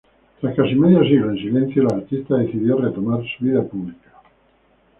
Tras casi medio siglo en silencio, el artista decidió retomar su vida pública.